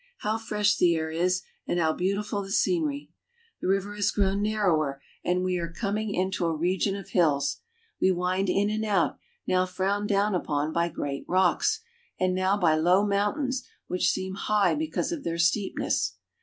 How fresh the air is and how beautiful the scenery ! The river UP THE RHINE TO SWITZERLAND. 239 has grown narrower, and we are coming into a region of hills. We wind in and out, now frowned down upon by great rocks, and now by low mountains which seem high because of their steepness.